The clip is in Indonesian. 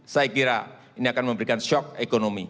saya kira ini akan memberikan shock ekonomi